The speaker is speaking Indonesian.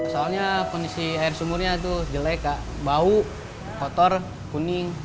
soalnya kondisi air sumurnya itu jelek bau kotor kuning